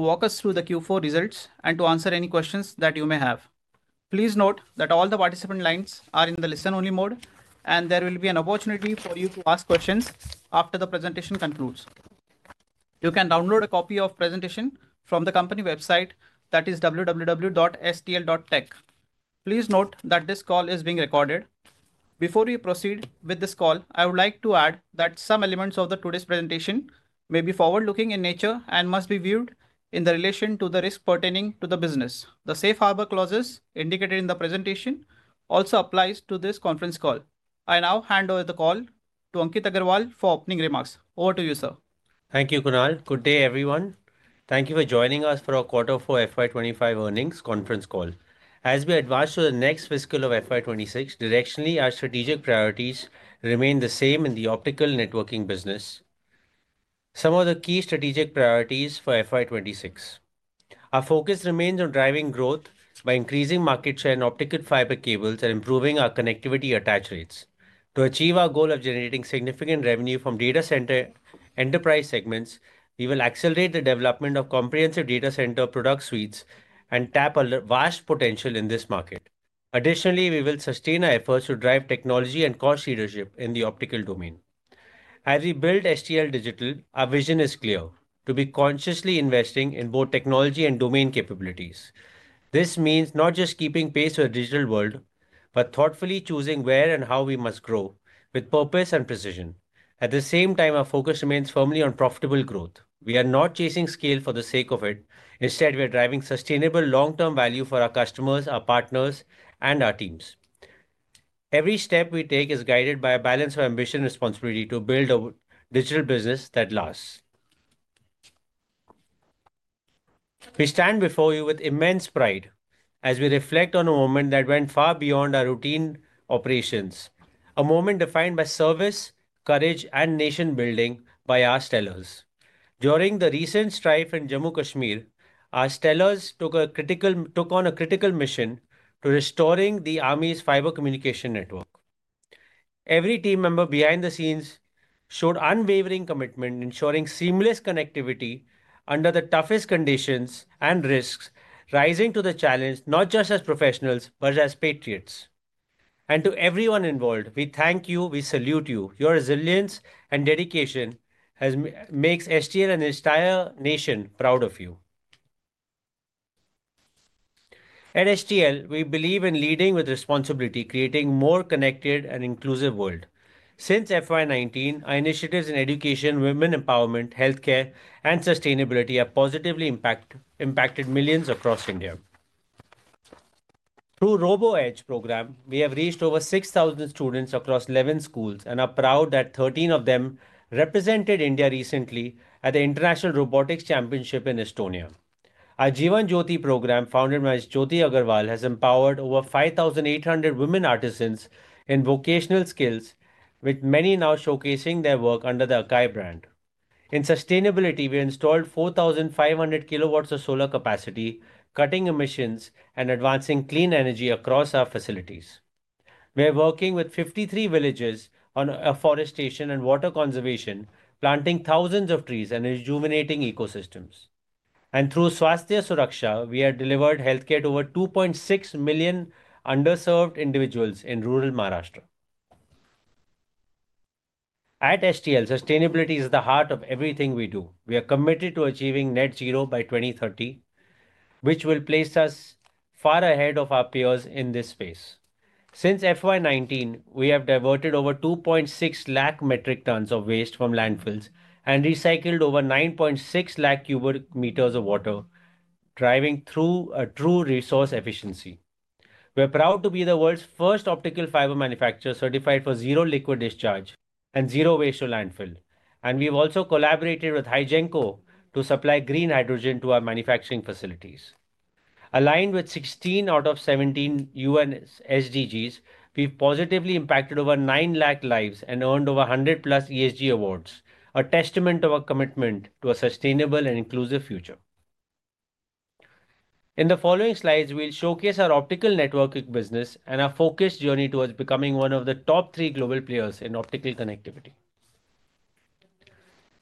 To walk us through the Q4 results and to answer any questions that you may have. Please note that all the participant lines are in the listen-only mode, and there will be an opportunity for you to ask questions after the presentation concludes. You can download a copy of the presentation from the company website, that is www.stl.tech. Please note that this call is being recorded. Before we proceed with this call, I would like to add that some elements of today's presentation may be forward-looking in nature and must be viewed in relation to the risks pertaining to the business. The safe harbor clauses indicated in the presentation also apply to this conference call. I now hand over the call to Ankit Agarwal for opening remarks. Over to you, sir. Thank you, Kunal. Good day, everyone. Thank you for joining us for our Q4 FY2025 earnings conference call. As we advance to the next fiscal year of FY2026, directionally, our strategic priorities remain the same in the optical networking business. Some of the key strategic priorities for FY2026: our focus remains on driving growth by increasing market share in optical fiber cables and improving our connectivity attach rates. To achieve our goal of generating significant revenue from data center enterprise segments, we will accelerate the development of comprehensive data center product suites and tap our vast potential in this market. Additionally, we will sustain our efforts to drive technology and cost leadership in the optical domain. As we build STL Digital, our vision is clear: to be consciously investing in both technology and domain capabilities. This means not just keeping pace with the digital world, but thoughtfully choosing where and how we must grow with purpose and precision. At the same time, our focus remains firmly on profitable growth. We are not chasing scale for the sake of it. Instead, we are driving sustainable long-term value for our customers, our partners, and our teams. Every step we take is guided by a balance of ambition and responsibility to build a digital business that lasts. We stand before you with immense pride as we reflect on a moment that went far beyond our routine operations, a moment defined by service, courage, and nation-building by our sellers. During the recent strife in Jammu Kashmir, our sellers took on a critical mission to restore the army's fiber communication network. Every team member behind the scenes showed unwavering commitment, ensuring seamless connectivity under the toughest conditions and risks, rising to the challenge not just as professionals, but as patriots. To everyone involved, we thank you, we salute you. Your resilience and dedication makes STL and the entire nation proud of you. At STL, we believe in leading with responsibility, creating a more connected and inclusive world. Since FY 2019, our initiatives in education, women empowerment, healthcare, and sustainability have positively impacted millions across India. Through the RoboEdge program, we have reached over 6,000 students across 11 schools, and I'm proud that 13 of them represented India recently at the International Robotics Championship in Estonia. Our Jeevan Jyoti program, founded by Jyoti Agarwal, has empowered over 5,800 women artisans in vocational skills, with many now showcasing their work under the Akai brand. In sustainability, we installed 4,500 kW of solar capacity, cutting emissions and advancing clean energy across our facilities. We are working with 53 villages on afforestation and water conservation, planting thousands of trees and rejuvenating ecosystems. Through Swasthya Suraksha, we have delivered healthcare to over 2.6 million underserved individuals in rural Maharashtra. At STL, sustainability is at the heart of everything we do. We are committed to achieving net zero by 2030, which will place us far ahead of our peers in this space. Since FY 2019, we have diverted over 260,000 metric tons of waste from landfills and recycled over 960,000 cubic meters of water, driving true resource efficiency. We are proud to be the world's first optical fiber manufacturer certified for zero liquid discharge and zero waste to landfill. We have also collaborated with Hyjenco to supply green hydrogen to our manufacturing facilities. Aligned with 16 out of 17 UN SDGs, we've positively impacted over 900,000 lives and earned over 100 ESG awards, a testament to our commitment to a sustainable and inclusive future. In the following slides, we'll showcase our optical networking business and our focused journey towards becoming one of the top three global players in optical connectivity.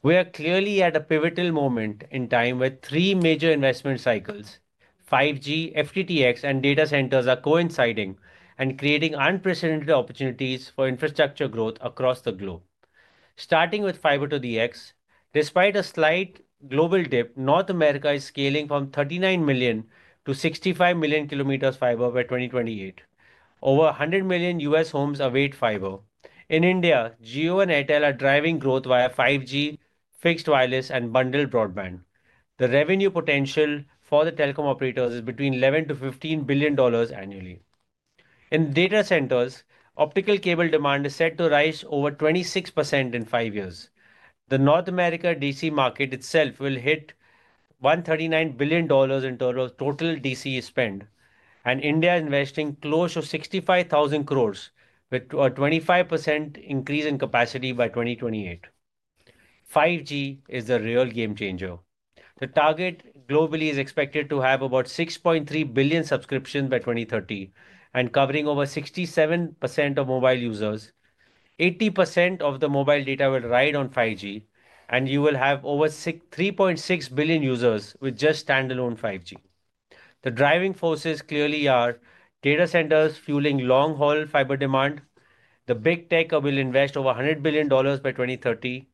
We are clearly at a pivotal moment in time with three major investment cycles. 5G, FTTX, and data centers are coinciding and creating unprecedented opportunities for infrastructure growth across the globe. Starting with fiber to the X, despite a slight global dip, North America is scaling from 39 million to 65 million kilometers fiber by 2028. Over 100 million U.S. homes await fiber. In India, Jio and Airtel are driving growth via 5G, fixed wireless, and bundled broadband. The revenue potential for the telecom operators is between $11 billion-$15 billion annually. In data centers, optical cable demand is set to rise over 26% in five years. The North America DC market itself will hit $139 billion in total DC spend, and India is investing close to 65,000 crore, with a 25% increase in capacity by 2028. 5G is the real game changer. The target globally is expected to have about 6.3 billion subscriptions by 2030 and covering over 67% of mobile users. 80% of the mobile data will ride on 5G, and you will have over 3.6 billion users with just standalone 5G. The driving forces clearly are data centers fueling long-haul fiber demand. The big tech will invest over $100 billion by 2030.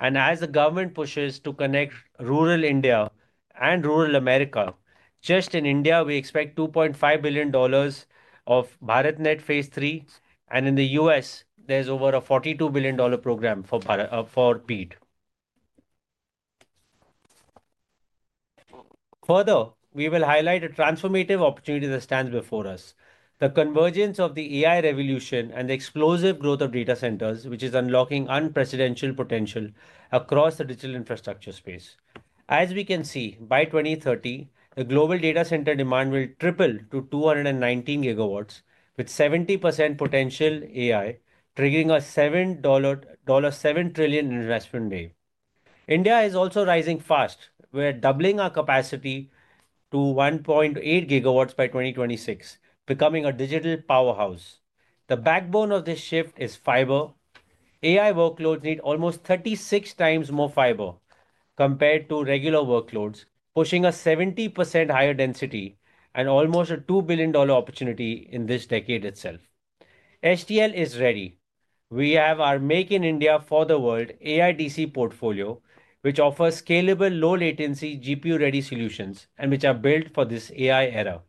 As the government pushes to connect rural India and rural America, just in India, we expect $2.5 billion of BharatNet phase III. In the U.S., there is over a $42 billion program for BEAD. Further, we will highlight a transformative opportunity that stands before us: the convergence of the AI revolution and the explosive growth of data centers, which is unlocking unprecedented potential across the digital infrastructure space. As we can see, by 2030, the global data center demand will triple to 219 GW, with 70% potential AI triggering a $7 trillion investment wave. India is also rising fast. We are doubling our capacity to 1.8 GW by 2026, becoming a digital powerhouse. The backbone of this shift is fiber. AI workloads need almost 36 times more fiber compared to regular workloads, pushing a 70% higher density and almost a $2 billion opportunity in this decade itself. STL is ready. We have our Make in India for the World AI D.C. portfolio, which offers scalable, low-latency, GPU-ready solutions and which are built for this AI era.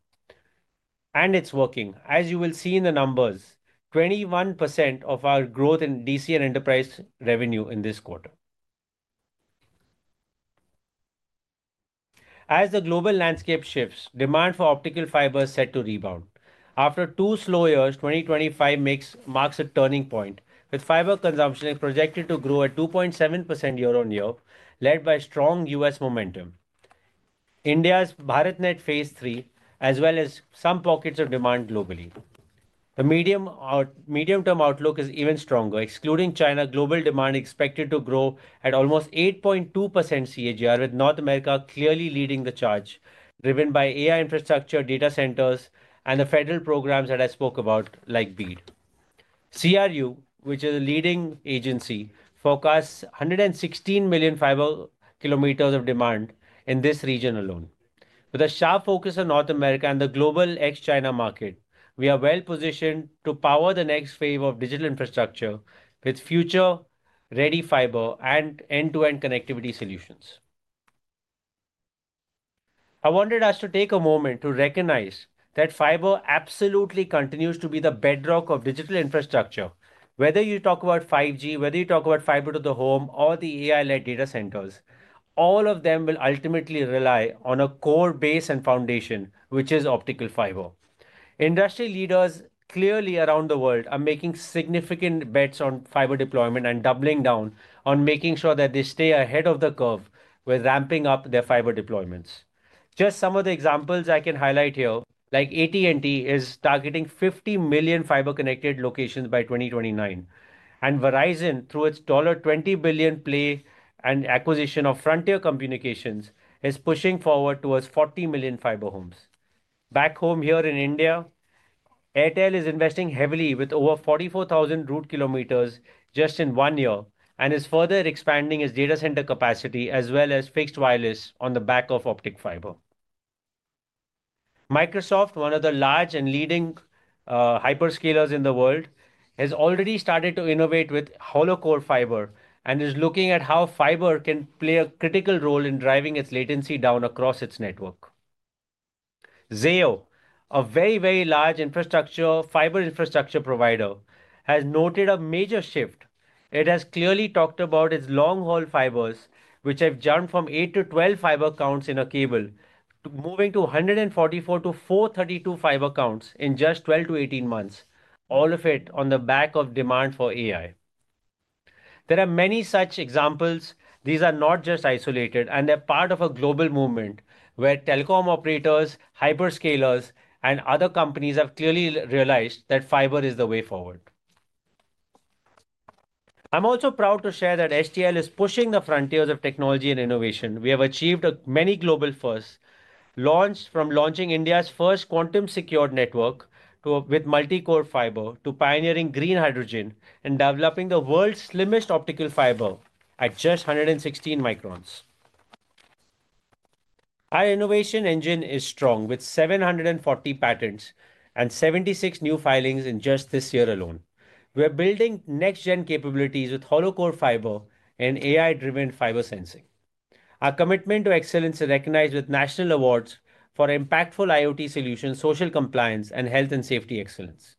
It is working, as you will see in the numbers, 21% of our growth in DC and enterprise revenue in this quarter. As the global landscape shifts, demand for optical fiber is set to rebound. After two slow years, 2025 marks a turning point, with fiber consumption projected to grow at 2.7% year on year, led by strong U.S. momentum, India's BharatNet phase III, as well as some pockets of demand globally. The medium-term outlook is even stronger, excluding China. Global demand is expected to grow at almost 8.2% CAGR, with North America clearly leading the charge, driven by AI infrastructure, data centers, and the federal programs that I spoke about, like BEAD. CRU, which is a leading agency, forecasts 116 million fiber kilometers of demand in this region alone. With a sharp focus on North America and the global ex-China market, we are well positioned to power the next wave of digital infrastructure with future-ready fiber and end-to-end connectivity solutions. I wanted us to take a moment to recognize that fiber absolutely continues to be the bedrock of digital infrastructure. Whether you talk about 5G, whether you talk about fiber to the home, or the AI-led data centers, all of them will ultimately rely on a core base and foundation, which is optical fiber. Industry leaders clearly around the world are making significant bets on fiber deployment and doubling down on making sure that they stay ahead of the curve with ramping up their fiber deployments. Just some of the examples I can highlight here, like AT&T is targeting 50 million fiber-connected locations by 2029. Verizon, through its $20 billion play and acquisition of Frontier Communications, is pushing forward towards 40 million fiber homes. Back home here in India, Airtel is investing heavily with over 44,000 route kilometers just in one year and is further expanding its data center capacity as well as fixed wireless on the back of optical fiber. Microsoft, one of the large and leading hyperscalers in the world, has already started to innovate with Holocore fiber and is looking at how fiber can play a critical role in driving its latency down across its network. Zayo, a very, very large fiber infrastructure provider, has noted a major shift. It has clearly talked about its long-haul fibers, which have jumped from eight to 12 fiber counts in a cable to moving to 144-432 fiber counts in just 12-18 months, all of it on the back of demand for AI. There are many such examples. These are not just isolated, and they're part of a global movement where telecom operators, hyperscalers, and other companies have clearly realized that fiber is the way forward. I'm also proud to share that STL is pushing the frontiers of technology and innovation. We have achieved many global firsts, from launching India's first quantum-secured network with multicore fiber to pioneering green hydrogen and developing the world's slimmest optical fiber at just 116 microns. Our innovation engine is strong, with 740 patents and 76 new filings in just this year alone. We are building next-gen capabilities with Holocore fiber and AI-driven fiber sensing. Our commitment to excellence is recognized with national awards for impactful IoT solutions, social compliance, and health and safety excellence.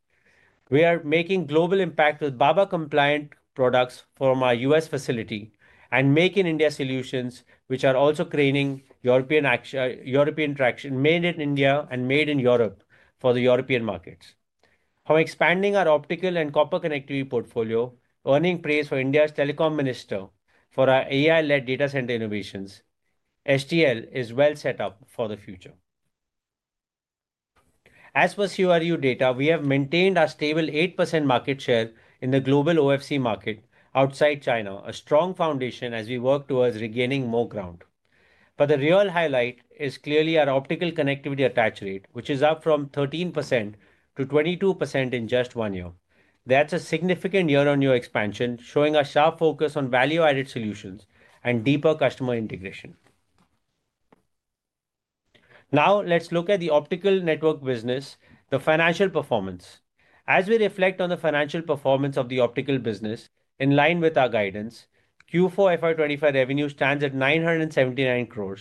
We are making global impact with BABA-compliant products from our U.S. facility and Make in India solutions, which are also gaining European traction, made in India and made in Europe for the European markets. From expanding our optical and copper connectivity portfolio, earning praise from India's telecom minister for our AI-led data center innovations, STL is well set up for the future. As per CRU data, we have maintained our stable 8% market share in the global OFC market outside China, a strong foundation as we work towards regaining more ground. The real highlight is clearly our optical connectivity attach rate, which is up from 13% to 22% in just one year. That's a significant year-on-year expansion, showing a sharp focus on value-added solutions and deeper customer integration. Now, let's look at the optical network business, the financial performance. As we reflect on the financial performance of the optical business, in line with our guidance, Q4 FY2025 revenue stands at 979 crore,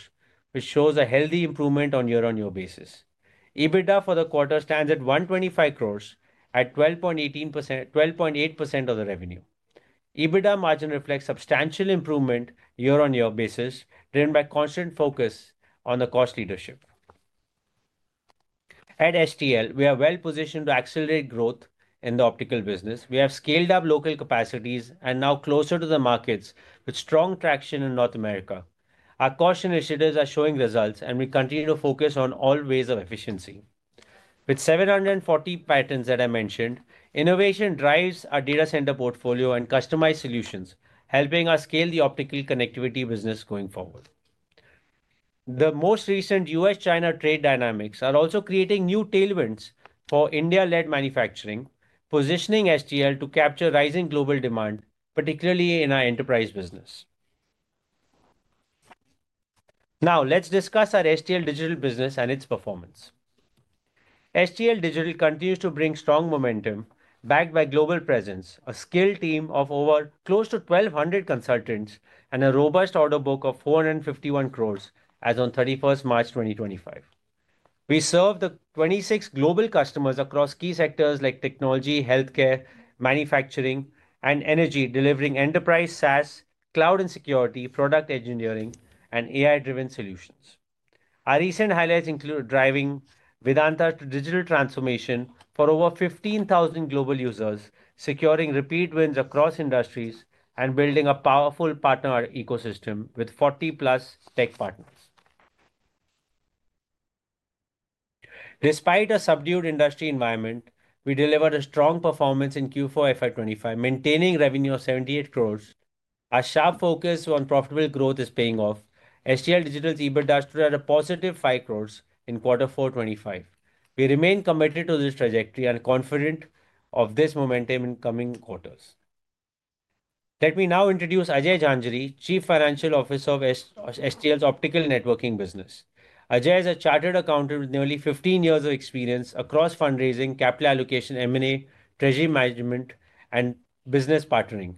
which shows a healthy improvement on year-on-year basis. EBITDA for the quarter stands at 125 crore, at 12.8% of the revenue. EBITDA margin reflects substantial improvement year-on-year basis, driven by constant focus on the cost leadership. At STL, we are well positioned to accelerate growth in the optical business. We have scaled up local capacities and are now closer to the markets with strong traction in North America. Our cost initiatives are showing results, and we continue to focus on all ways of efficiency. With 740 patents that I mentioned, innovation drives our data center portfolio and customized solutions, helping us scale the optical connectivity business going forward. The most recent U.S.-China trade dynamics are also creating new tailwinds for India-led manufacturing, positioning STL to capture rising global demand, particularly in our enterprise business. Now, let's discuss our STL Digital business and its performance. STL Digital continues to bring strong momentum backed by global presence, a skilled team of over close to 1,200 consultants, and a robust order book of 451 crore, as on 31 March 2025. We serve the 26 global customers across key sectors like technology, healthcare, manufacturing, and energy, delivering enterprise SaaS, cloud, and security product engineering and AI-driven solutions. Our recent highlights include driving Vedanta to digital transformation for over 15,000 global users, securing repeat wins across industries and building a powerful partner ecosystem with 40+ tech partners. Despite a subdued industry environment, we delivered a strong performance in Q4 FY2025, maintaining revenue of 78 crore. Our sharp focus on profitable growth is paying off. STL Digital's EBITDA stood at a positive 5 crore in Q4 FY2025. We remain committed to this trajectory and confident of this momentum in coming quarters. Let me now introduce Ajay Jhanjhari, Chief Financial Officer of STL's optical networking business. Ajay is a chartered accountant with nearly 15 years of experience across fundraising, capital allocation, M&A, treasury management, and business partnering.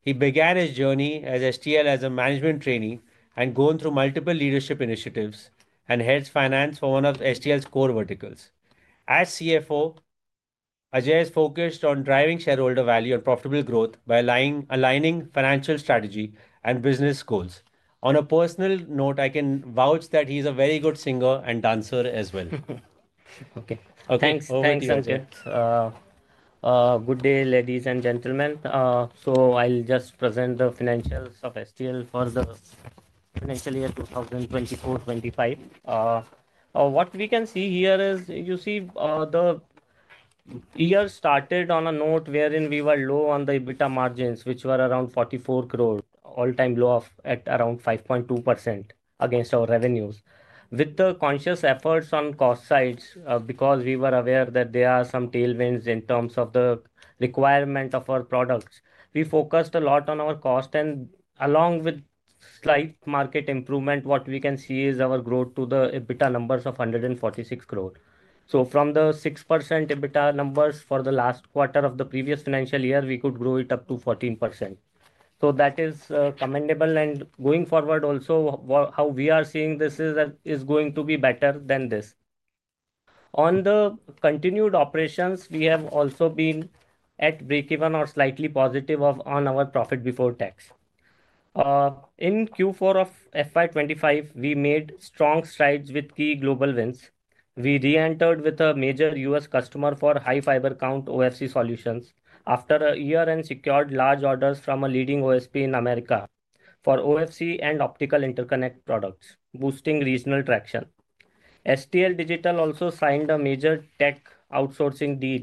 He began his journey at STL as a management trainee and has gone through multiple leadership initiatives and heads finance for one of STL's core verticals. As CFO, Ajay is focused on driving shareholder value and profitable growth by aligning financial strategy and business goals. On a personal note, I can vouch that he's a very good singer and dancer as well. Okay, okay. Thanks, thanks, Ankit. Good day, ladies and gentlemen. I'll just present the financials of STL for the financial year 2024-2025. What we can see here is, you see, the year started on a note wherein we were low on the EBITDA margins, which were around 44 crore, all-time low at around 5.2% against our revenues. With the conscious efforts on cost sides, because we were aware that there are some tailwinds in terms of the requirement of our products, we focused a lot on our cost. Along with slight market improvement, what we can see is our growth to the EBITDA numbers of 146 crore. From the 6% EBITDA numbers for the last quarter of the previous financial year, we could grow it up to 14%. That is commendable. Going forward, also how we are seeing this is going to be better than this. On the continued operations, we have also been at breakeven or slightly positive on our profit before tax. In Q4 of FY2025, we made strong strides with key global wins. We re-entered with a major U.S. customer for high fiber count OFC solutions after a year and secured large orders from a leading OSP in America for OFC and optical interconnect products, boosting regional traction. STL Digital also signed a major tech outsourcing deal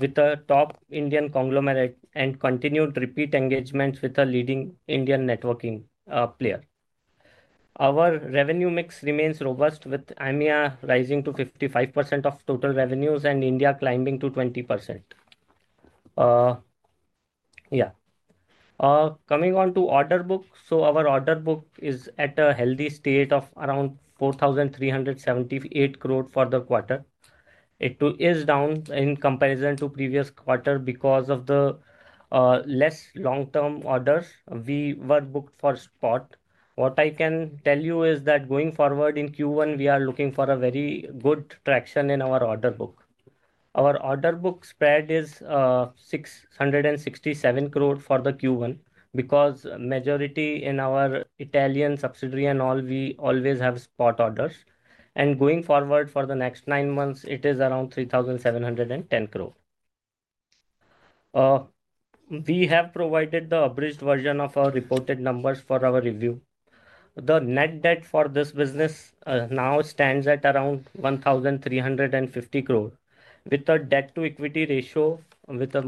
with a top Indian conglomerate and continued repeat engagements with a leading Indian networking player. Our revenue mix remains robust, with EMEA rising to 55% of total revenues and India climbing to 20%. Yeah. Coming on to order book, our order book is at a healthy state of around 4,378 crore for the quarter. It is down in comparison to the previous quarter because of the less long-term orders we were booked for spot. What I can tell you is that going forward in Q1, we are looking for a very good traction in our order book. Our order book spread is 667 crore for Q1 because the majority in our Italian subsidiary and all, we always have spot orders. Going forward for the next nine months, it is around 3,710 crore. We have provided the abridged version of our reported numbers for our review. The net debt for this business now stands at around 1,350 crore, with a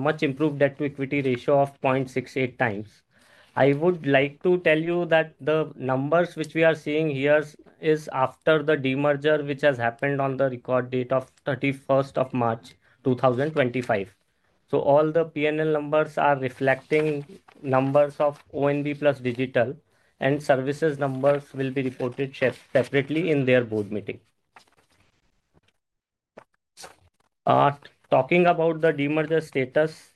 much improved debt-to-equity ratio of 0.68 times. I would like to tell you that the numbers which we are seeing here are after the demerger which has happened on the record date of 31 March 2025. All the P&L numbers are reflecting numbers of O&B plus digital, and services numbers will be reported separately in their board meeting. Talking about the demerger status,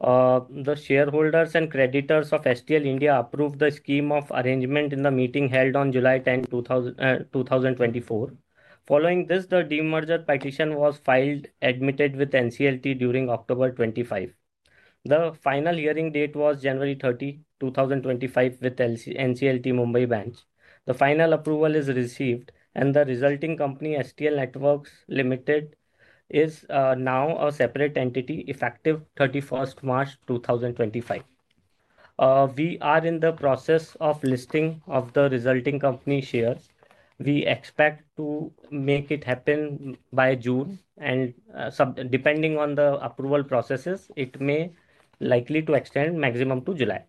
the shareholders and creditors of STL India approved the scheme of arrangement in the meeting held on July 10, 2024. Following this, the demerger petition was filed, admitted with NCLT during October 25. The final hearing date was January 30, 2025, with NCLT Mumbai Branch. The final approval is received, and the resulting company, STL Networks Limited, is now a separate entity, effective 31st March 2025. We are in the process of listing the resulting company shares. We expect to make it happen by June, and depending on the approval processes, it may likely extend maximum to July.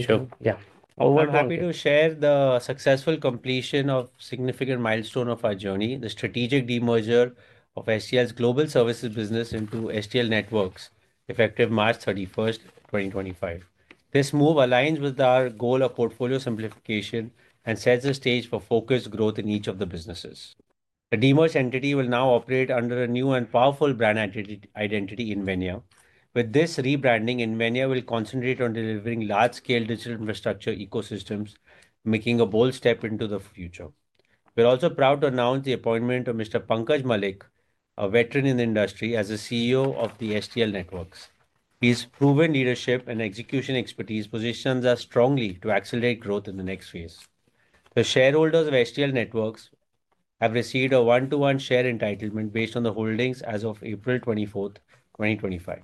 Sure, yeah. I'm happy to share the successful completion of a significant milestone of our journey, the strategic demerger of STL's global services business into STL Networks Limited, effective March 31, 2025. This move aligns with our goal of portfolio simplification and sets the stage for focused growth in each of the businesses. The demerged entity will now operate under a new and powerful brand identity in Venue. With this rebranding, Venue will concentrate on delivering large-scale digital infrastructure ecosystems, making a bold step into the future. We're also proud to announce the appointment of Mr. Pankaj Malik, a veteran in the industry, as the CEO of STL Networks Limited. His proven leadership and execution expertise positions us strongly to accelerate growth in the next phase. The shareholders of STL Networks Limited have received a one-to-one share entitlement based on the holdings as of April 24, 2025.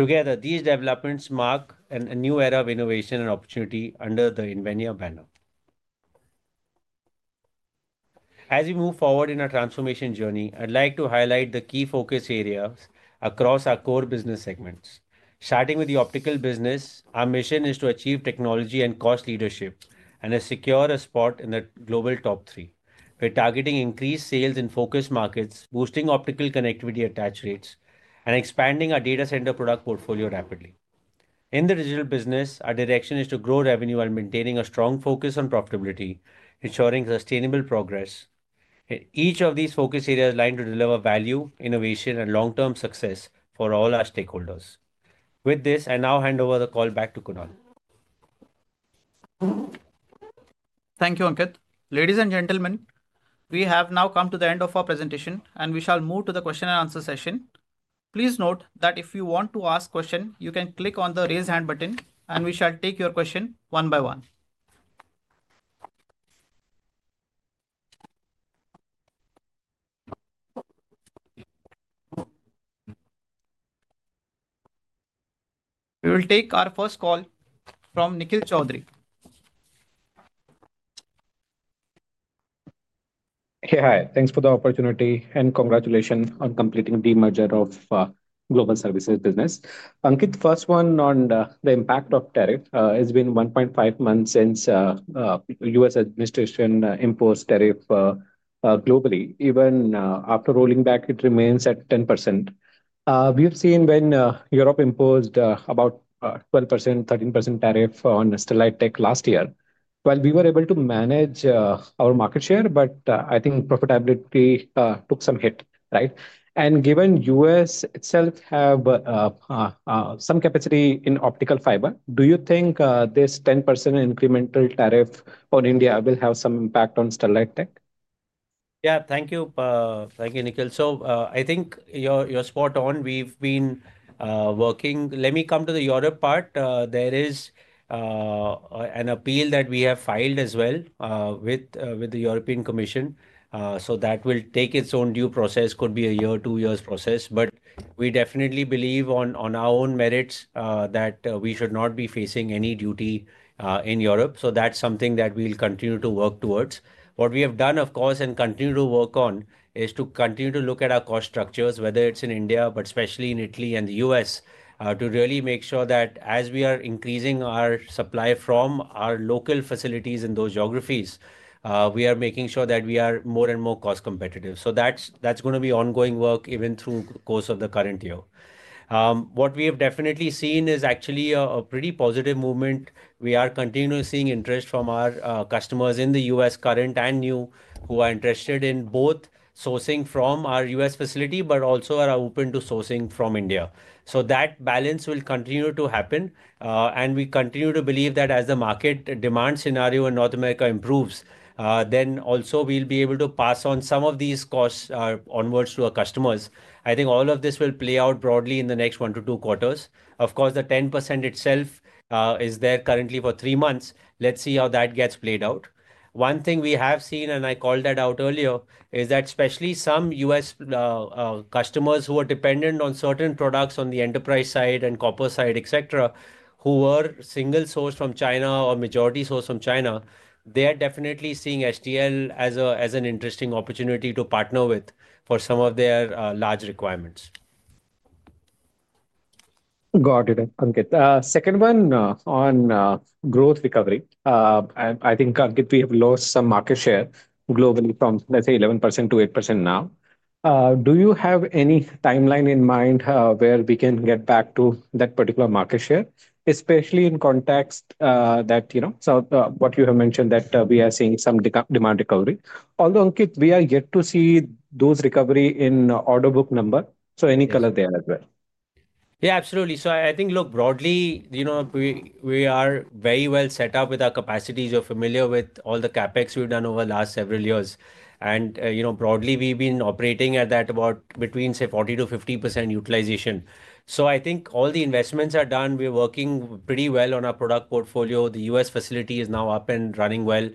Together, these developments mark a new era of innovation and opportunity under the Venue banner. As we move forward in our transformation journey, I'd like to highlight the key focus areas across our core business segments. Starting with the optical business, our mission is to achieve technology and cost leadership and secure a spot in the global top three. We're targeting increased sales in focus markets, boosting optical connectivity attach rates, and expanding our data center product portfolio rapidly. In the digital business, our direction is to grow revenue while maintaining a strong focus on profitability, ensuring sustainable progress. Each of these focus areas is lined to deliver value, innovation, and long-term success for all our stakeholders. With this, I now hand over the call back to Kunal. Thank you, Ankit. Ladies and gentlemen, we have now come to the end of our presentation, and we shall move to the question and answer session. Please note that if you want to ask a question, you can click on the raise hand button, and we shall take your question one by one. We will take our first call from Nikhil Choudhary. Hey, hi. Thanks for the opportunity and congratulations on completing the demerger of the global services business. Ankit, first one on the impact of tariff. It's been 1.5 months since the U.S. administration imposed tariffs globally. Even after rolling back, it remains at 10%. We have seen when Europe imposed about a 12%-13% tariff on a satellite tech last year. We were able to manage our market share, but I think profitability took some hit, right? Given the U.S. itself has some capacity in optical fiber, do you think this 10% incremental tariff on India will have some impact on satellite tech? Yeah, thank you. Thank you, Nikhil. I think you're spot on. We've been working. Let me come to the Europe part. There is an appeal that we have filed as well with the European Commission. That will take its own due process. It could be a year or two years' process. We definitely believe on our own merits that we should not be facing any duty in Europe. That is something that we'll continue to work towards. What we have done, of course, and continue to work on is to continue to look at our cost structures, whether it's in India, but especially in Italy and the U.S., to really make sure that as we are increasing our supply from our local facilities in those geographies, we are making sure that we are more and more cost competitive. That is going to be ongoing work even through the course of the current year. What we have definitely seen is actually a pretty positive movement. We are continually seeing interest from our customers in the U.S., current and new, who are interested in both sourcing from our U.S. facility, but also are open to sourcing from India. That balance will continue to happen. We continue to believe that as the market demand scenario in North America improves, we will be able to pass on some of these costs onwards to our customers. I think all of this will play out broadly in the next one to two quarters. Of course, the 10% itself is there currently for three months. Let's see how that gets played out. One thing we have seen, and I called that out earlier, is that especially some U.S. customers who are dependent on certain products on the enterprise side and corporate side, etc., who were single sourced from China or majority sourced from China, they are definitely seeing STL as an interesting opportunity to partner with for some of their large requirements. Got it, Ankit. Second one on growth recovery. I think, Ankit, we have lost some market share globally from, let's say, 11% to 8% now. Do you have any timeline in mind where we can get back to that particular market share, especially in context that, you know, what you have mentioned that we are seeing some demand recovery? Although, Ankit, we are yet to see those recovery in order book number. So any color there as well? Yeah, absolutely. I think, look, broadly, you know, we are very well set up with our capacities. You're familiar with all the CapEx we've done over the last several years. You know, broadly, we've been operating at about between, say, 40%-50% utilization. I think all the investments are done. We're working pretty well on our product portfolio. The U.S. facility is now up and running well.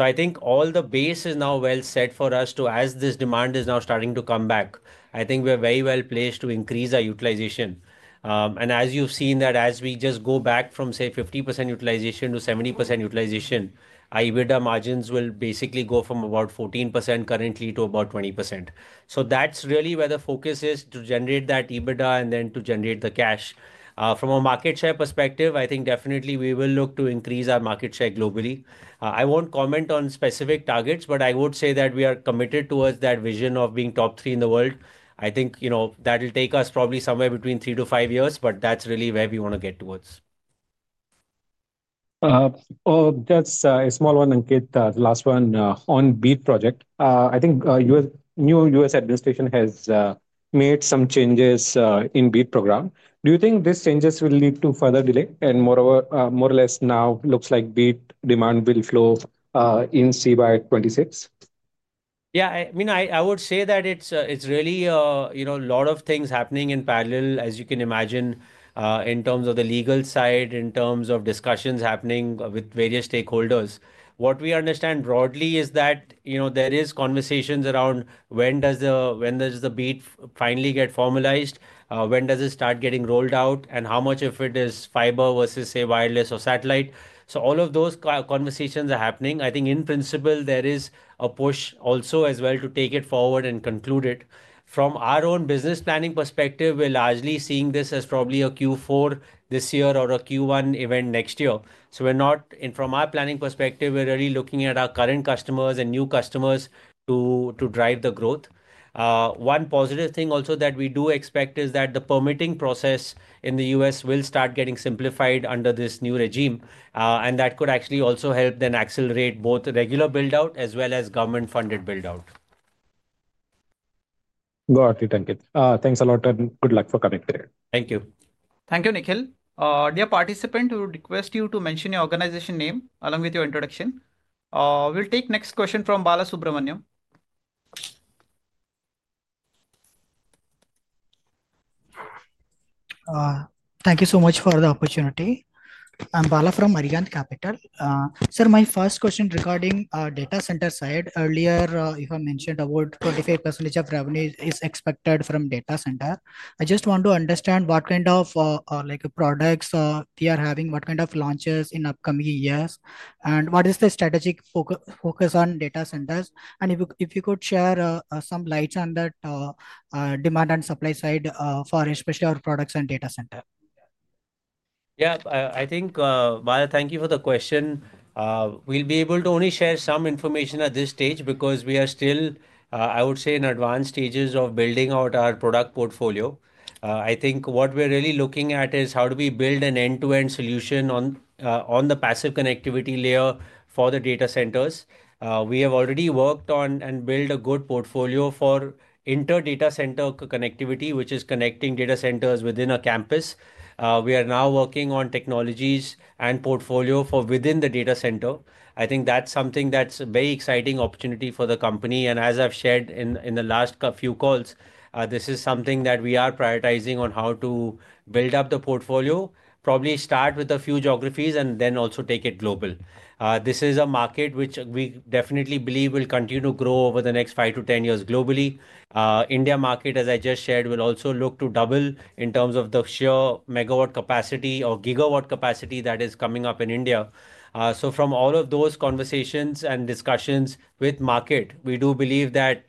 I think all the base is now well set for us to, as this demand is now starting to come back, I think we're very well placed to increase our utilization. As you've seen, as we just go back from, say, 50% utilization to 70% utilization, our EBITDA margins will basically go from about 14% currently to about 20%. That's really where the focus is, to generate that EBITDA and then to generate the cash. From a market share perspective, I think definitely we will look to increase our market share globally. I won't comment on specific targets, but I would say that we are committed towards that vision of being top three in the world. I think, you know, that'll take us probably somewhere between three to five years, but that's really where we want to get towards. That's a small one, Ankit, the last one on the BEAD project. I think the new U.S. administration has made some changes in the BEAD program. Do you think these changes will lead to further delay? More or less now looks like BEAD demand will flow in CY2026? Yeah, I mean, I would say that it's really, you know, a lot of things happening in parallel, as you can imagine, in terms of the legal side, in terms of discussions happening with various stakeholders. What we understand broadly is that, you know, there are conversations around when does the BEAD finally get formalized, when does it start getting rolled out, and how much of it is fiber versus, say, wireless or satellite. All of those conversations are happening. I think in principle, there is a push also as well to take it forward and conclude it. From our own business planning perspective, we're largely seeing this as probably a Q4 this year or a Q1 event next year. So we're not, from our planning perspective, we're really looking at our current customers and new customers to drive the growth. One positive thing also that we do expect is that the permitting process in the U.S. will start getting simplified under this new regime, and that could actually also help then accelerate both regular build-out as well as government-funded build-out. Got it, Ankit. Thanks a lot and good luck for coming today. Thank you. Thank you, Nikhil. Dear participant, we would request you to mention your organization name along with your introduction. We'll take the next question from Balasubramanian. Thank you so much for the opportunity. I'm Bala from Arihant Capital. Sir, my first question regarding the data center side, earlier you have mentioned about 25% of revenue is expected from data centers. I just want to understand what kind of products they are having, what kind of launches in upcoming years, and what is the strategic focus on data centers? If you could share some lights on that demand and supply side for especially our products and data centers. Yeah, I think, Bala, thank you for the question. We'll be able to only share some information at this stage because we are still, I would say, in advanced stages of building out our product portfolio. I think what we're really looking at is how do we build an end-to-end solution on the passive connectivity layer for the data centers. We have already worked on and built a good portfolio for inter-data center connectivity, which is connecting data centers within a campus. We are now working on technologies and portfolio for within the data center. I think that's something that's a very exciting opportunity for the company. As I've shared in the last few calls, this is something that we are prioritizing on how to build up the portfolio, probably start with a few geographies and then also take it global. This is a market which we definitely believe will continue to grow over the next five to ten years globally. The India market, as I just shared, will also look to double in terms of the sheer MW capacity or GW capacity that is coming up in India. From all of those conversations and discussions with the market, we do believe that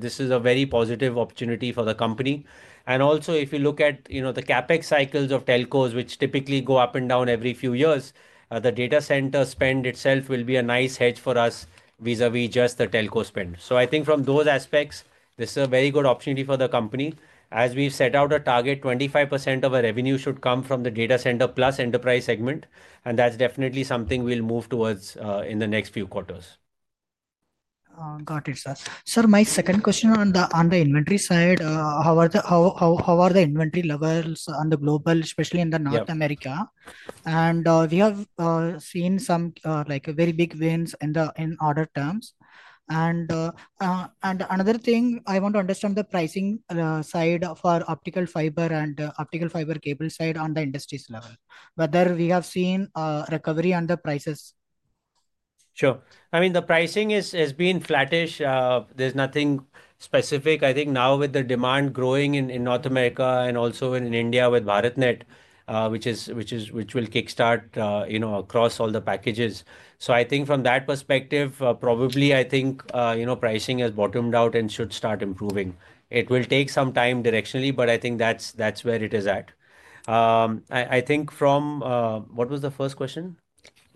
this is a very positive opportunity for the company. Also, if you look at, you know, the CapEx cycles of telcos, which typically go up and down every few years, the data center spend itself will be a nice hedge for us vis-à-vis just the telco spend. I think from those aspects, this is a very good opportunity for the company. As we've set out a target, 25% of our revenue should come from the data center plus enterprise segment. That's definitely something we'll move towards in the next few quarters. Got it, sir. Sir, my second question on the inventory side, how are the inventory levels on the global, especially in North America? We have seen some very big wins in other terms. Another thing, I want to understand the pricing side of our optical fiber and optical fiber cable side on the industry's level. Whether we have seen a recovery on the prices? Sure. I mean, the pricing has been flattish. There is nothing specific. I think now with the demand growing in North America and also in India with BharatNet, which will kickstart, you know, across all the packages. I think from that perspective, probably I think, you know, pricing has bottomed out and should start improving. It will take some time directionally, but I think that is where it is at. I think from what was the first question?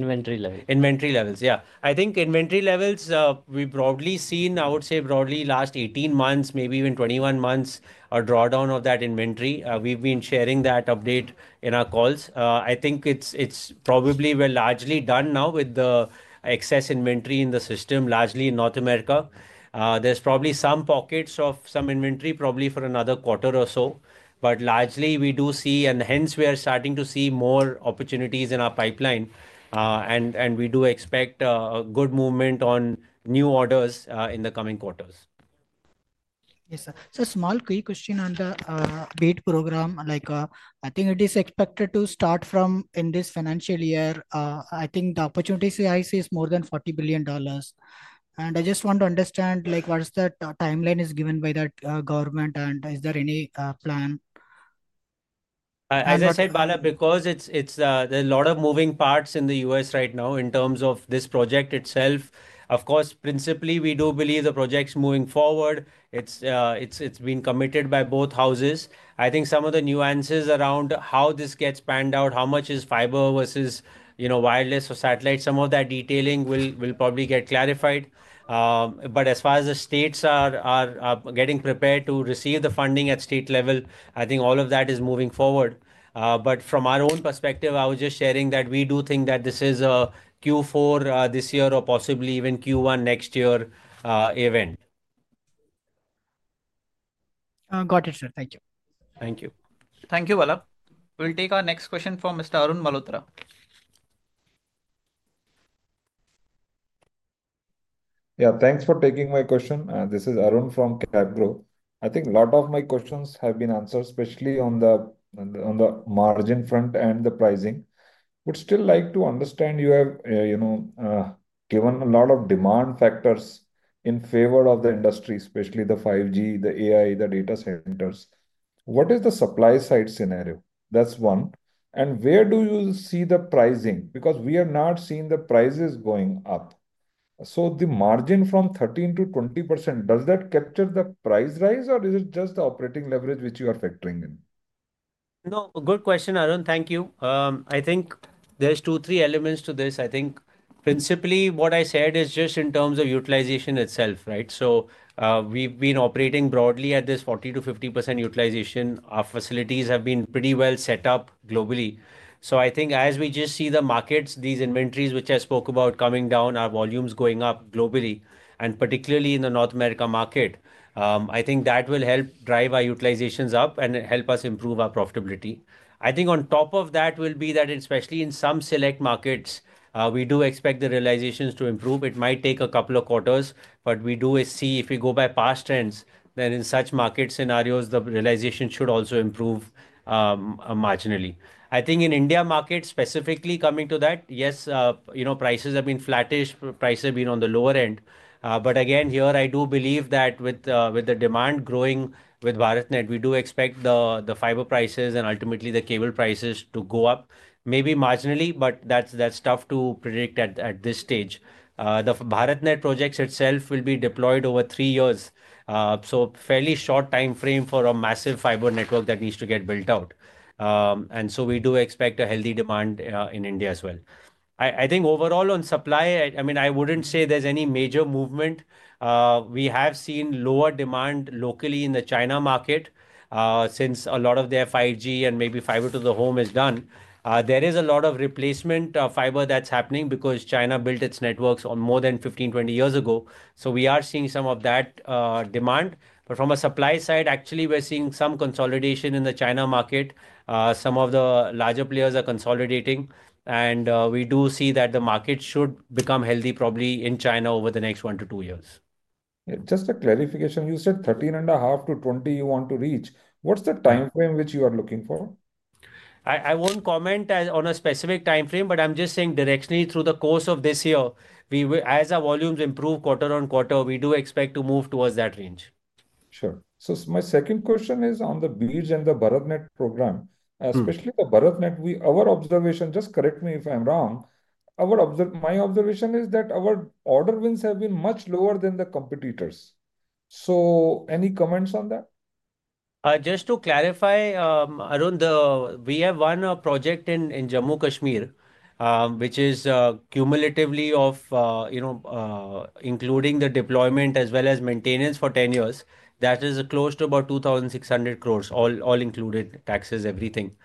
Inventory levels. Inventory levels, yeah. I think inventory levels, we have broadly seen, I would say broadly last 18 months, maybe even 21 months, a drawdown of that inventory. We have been sharing that update in our calls. I think it's probably largely done now with the excess inventory in the system, largely in North America. There's probably some pockets of some inventory probably for another quarter or so. Largely, we do see, and hence we are starting to see more opportunities in our pipeline. We do expect a good movement on new orders in the coming quarters. Yes, sir. A small quick question on the BEAD program. I think it is expected to start from in this financial year. I think the opportunity I see is more than $40 billion. I just want to understand, what's that timeline given by that government? Is there any plan? As I said, Bala, because there are a lot of moving parts in the U.S. right now in terms of this project itself. Of course, principally, we do believe the project's moving forward. It's been committed by both houses. I think some of the nuances around how this gets panned out, how much is fiber versus, you know, wireless or satellite, some of that detailing will probably get clarified. As far as the states are getting prepared to receive the funding at state level, I think all of that is moving forward. From our own perspective, I was just sharing that we do think that this is a Q4 this year or possibly even Q1 next year event. Got it, sir. Thank you. Thank you. Thank you, Bala. We'll take our next question from Mr. Arun Malhotra. Yeah, thanks for taking my question. This is Arun from CapGrow. I think a lot of my questions have been answered, especially on the margin front and the pricing. Would still like to understand, you have, you know, given a lot of demand factors in favor of the industry, especially the 5G, the AI, the data centers. What is the supply side scenario? That's one. And where do you see the pricing? Because we are not seeing the prices going up. So the margin from 13% to 20%, does that capture the price rise, or is it just the operating leverage which you are factoring in? No, good question, Arun. Thank you. I think there's two, three elements to this. I think principally what I said is just in terms of utilization itself, right? So we've been operating broadly at this 40%-50% utilization. Our facilities have been pretty well set up globally. I think as we just see the markets, these inventories which I spoke about coming down, our volumes going up globally, and particularly in the North America market, I think that will help drive our utilizations up and help us improve our profitability. I think on top of that will be that especially in some select markets, we do expect the realizations to improve. It might take a couple of quarters, but we do see if we go by past trends, then in such market scenarios, the realization should also improve marginally. I think in India market, specifically coming to that, yes, you know, prices have been flattish. Prices have been on the lower end. Again, here I do believe that with the demand growing with BharatNet, we do expect the fiber prices and ultimately the cable prices to go up maybe marginally, but that's tough to predict at this stage. The BharatNet projects itself will be deployed over three years. Fairly short time frame for a massive fiber network that needs to get built out. We do expect a healthy demand in India as well. I think overall on supply, I mean, I wouldn't say there's any major movement. We have seen lower demand locally in the China market since a lot of their 5G and maybe fiber to the home is done. There is a lot of replacement fiber that's happening because China built its networks more than 15-20 years ago. We are seeing some of that demand. From a supply side, actually, we're seeing some consolidation in the China market. Some of the larger players are consolidating. We do see that the market should become healthy probably in China over the next one to two years. Just a clarification, you said 13.5-20 you want to reach. What's the time frame which you are looking for? I won't comment on a specific time frame, but I'm just saying directionally through the course of this year, as our volumes improve quarter on quarter, we do expect to move towards that range. Sure. My second question is on the BEAD and the BharatNet program, especially the BharatNet. Our observation, just correct me if I'm wrong, my observation is that our order wins have been much lower than the competitors. Any comments on that? Just to clarify, Arun, we have one project in Jammu Kashmir, which is cumulatively of, you know, including the deployment as well as maintenance for 10 years. That is close to about 2,600 crore, all included, taxes, everything.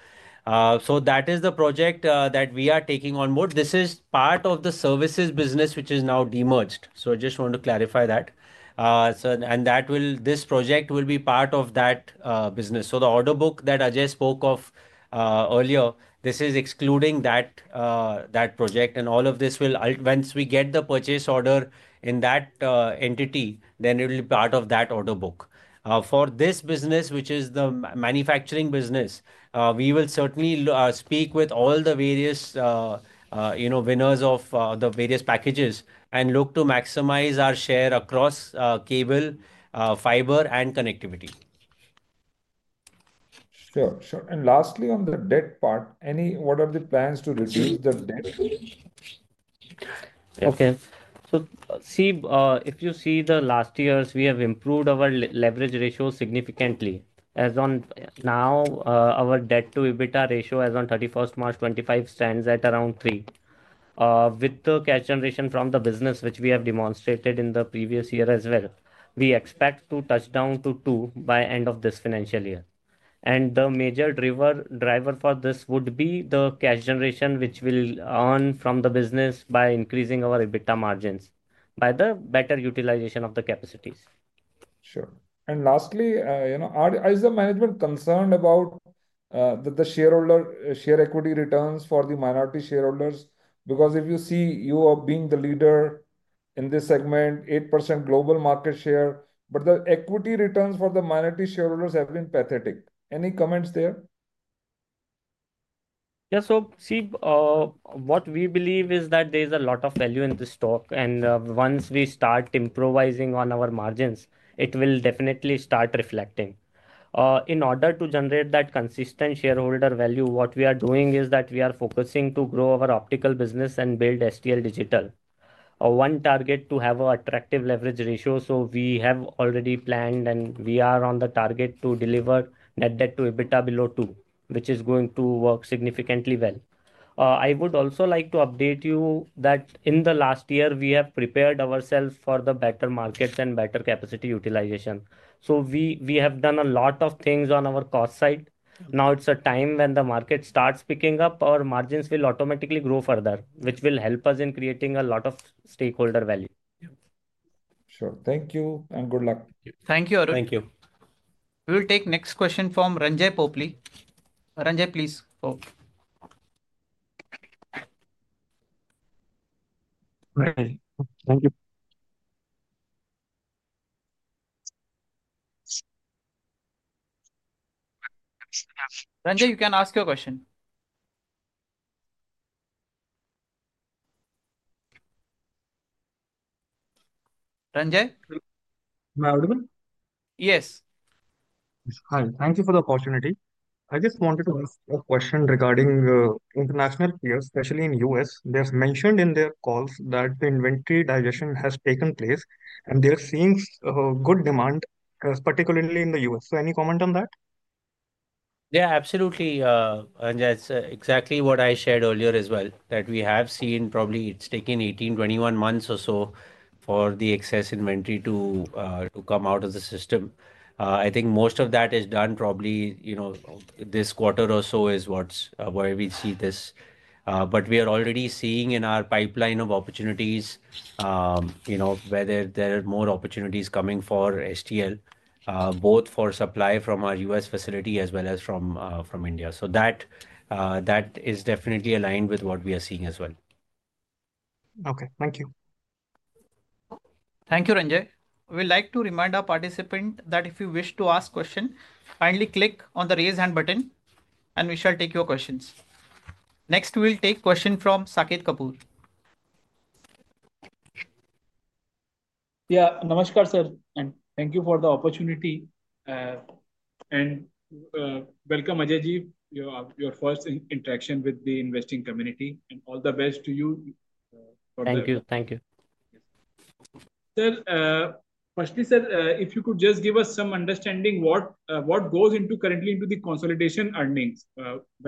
That is the project that we are taking on board. This is part of the services business, which is now demerged. I just want to clarify that. That project will be part of that business. The order book that Ajay spoke of earlier is excluding that project. All of this will, once we get the purchase order in that entity, then it will be part of that order book. For this business, which is the manufacturing business, we will certainly speak with all the various, you know, winners of the various packages and look to maximize our share across cable, fiber, and connectivity. Sure, sure. Lastly, on the debt part, what are the plans to reduce the debt? Okay. See, if you see the last years, we have improved our leverage ratio significantly. As of now, our debt to EBITDA ratio as on 31 March 2025 stands at around 3. With the cash generation from the business, which we have demonstrated in the previous year as well, we expect to touch down to 2 by the end of this financial year. The major driver for this would be the cash generation, which we will earn from the business by increasing our EBITDA margins by the better utilization of the capacities. Sure. Lastly, you know, is the management concerned about the shareholder share equity returns for the minority shareholders? Because if you see you are being the leader in this segment, 8% global market share, but the equity returns for the minority shareholders have been pathetic. Any comments there? Yeah, so see, what we believe is that there is a lot of value in this stock. Once we start improvising on our margins, it will definitely start reflecting. In order to generate that consistent shareholder value, what we are doing is that we are focusing to grow our optical business and build STL Digital. One target is to have an attractive leverage ratio. We have already planned and we are on the target to deliver net debt to EBITDA below two, which is going to work significantly well. I would also like to update you that in the last year, we have prepared ourselves for the better markets and better capacity utilization. We have done a lot of things on our cost side. Now it's a time when the market starts picking up, our margins will automatically grow further, which will help us in creating a lot of stakeholder value. Sure. Thank you and good luck. Thank you, Arun. Thank you. We will take next question from Ranjay Popli. Ranjay, please. Thank you. Ranjay, you can ask your question. Ranjay? Yes. Hi, thank you for the opportunity. I just wanted to ask a question regarding international peers, especially in the U.S. They have mentioned in their calls that the inventory digestion has taken place and they are seeing good demand, particularly in the U.S. Any comment on that? Yeah, absolutely. Ranjay, it's exactly what I shared earlier as well that we have seen probably it's taken 18-21 months or so for the excess inventory to come out of the system. I think most of that is done probably, you know, this quarter or so is what's where we see this. We are already seeing in our pipeline of opportunities, you know, whether there are more opportunities coming for STL, both for supply from our U.S. facility as well as from India. That is definitely aligned with what we are seeing as well. Okay, thank you. Thank you, Ranjay. We would like to remind our participants that if you wish to ask a question, kindly click on the raise hand button and we shall take your questions. Next, we will take a question from Saket Kapoor. Yeah, namaskar sir and thank you for the opportunity. Welcome, Ajay Ji, your first interaction with the investing community and all the best to you. Thank you, thank you. Sir, firstly, sir, if you could just give us some understanding what goes currently into the consolidation earnings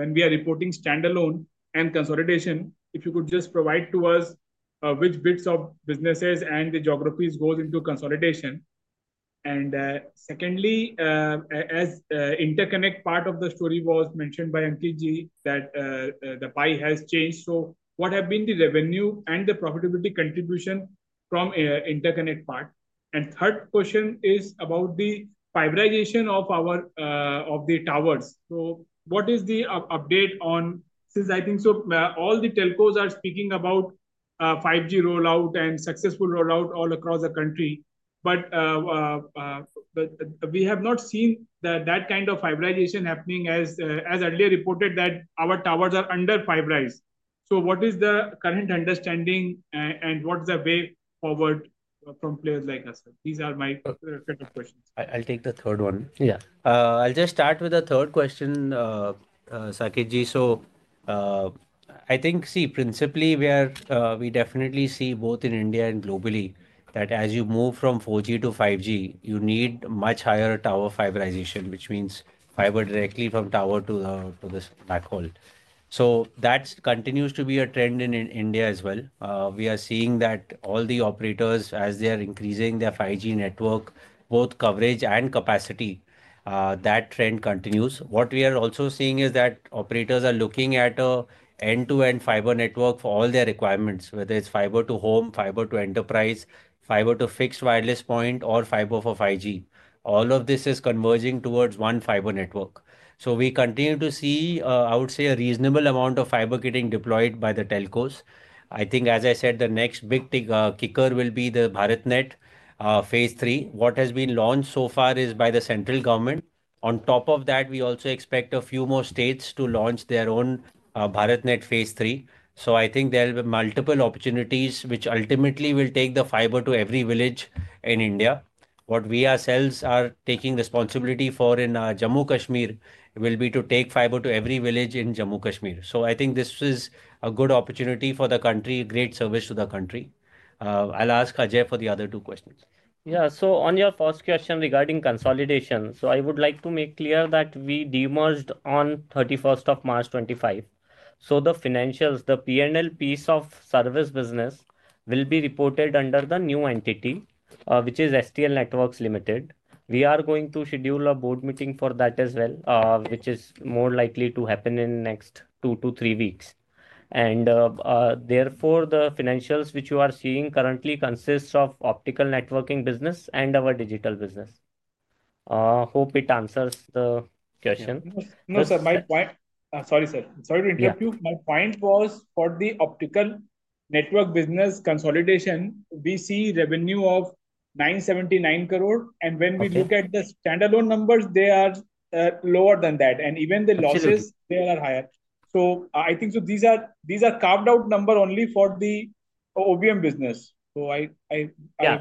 when we are reporting standalone and consolidation, if you could just provide to us which bits of businesses and the geographies go into consolidation. Secondly, as Interconnect part of the story was mentioned by Ankit Ji, that the pie has changed. What have been the revenue and the profitability contribution from Interconnect part? Third question is about the fiberization of the towers. What is the update on, since I think so all the telcos are speaking about 5G rollout and successful rollout all across the country, but we have not seen that kind of fiberization happening as earlier reported that our towers are under fiberized. What is the current understanding and what is the way forward from players like us? These are my set of questions. I'll take the third one. Yeah, I'll just start with the third question, Sakit Ji. I think, see, principally we definitely see both in India and globally that as you move from 4G to 5G, you need much higher tower fiberization, which means fiber directly from tower to this black hole. That continues to be a trend in India as well. We are seeing that all the operators, as they are increasing their 5G network, both coverage and capacity, that trend continues. What we are also seeing is that operators are looking at an end-to-end fiber network for all their requirements, whether it's fiber to home, fiber to enterprise, fiber to fixed wireless point, or fiber for 5G. All of this is converging towards one fiber network. We continue to see, I would say, a reasonable amount of fiber getting deployed by the telcos. I think, as I said, the next big kicker will be the BharatNet phase III. What has been launched so far is by the central government. On top of that, we also expect a few more states to launch their own BharatNet phase III. I think there will be multiple opportunities which ultimately will take the fiber to every village in India. What we ourselves are taking responsibility for in Jammu Kashmir will be to take fiber to every village in Jammu Kashmir. I think this is a good opportunity for the country, great service to the country. I'll ask Ajay for the other two questions. Yeah, on your first question regarding consolidation, I would like to make clear that we demerged on 31 March 2025. The financials, the P&L piece of service business, will be reported under the new entity, which is STL Networks Limited. We are going to schedule a board meeting for that as well, which is more likely to happen in the next two to three weeks. Therefore, the financials which you are seeing currently consist of optical networking business and our digital business. Hope it answers the question. No, sir, my point, sorry, sir, sorry to interrupt you. My point was for the optical network business consolidation, we see revenue of 979 crore. When we look at the standalone numbers, they are lower than that. Even the losses, they are higher. I think these are carved out numbers only for the OBM business. Yeah,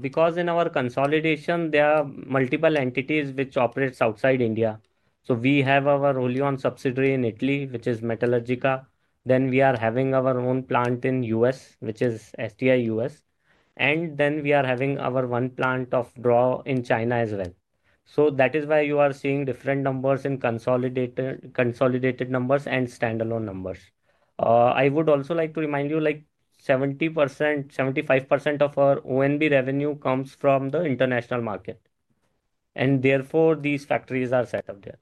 because in our consolidation, there are multiple entities which operate outside India. We have our Olion subsidiary in Italy, which is Metallurgica. We are having our own plant in the U.S., which is STI U.S.. We are having our one plant of Draw in China as well. That is why you are seeing different numbers in consolidated numbers and standalone numbers. I would also like to remind you, like 70%-75% of our ONB revenue comes from the international market. Therefore, these factories are set up there.